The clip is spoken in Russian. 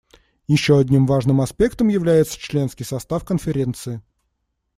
Еще одним важным аспектом является членский состав Конференции.